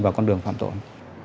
vào con đường phạm tội